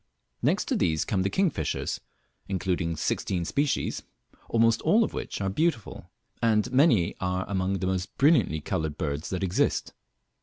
Next to these come the kingfishers, including sixteen species, almost all of which are beautiful, end many are among the most brilliantly coloured birds that exist.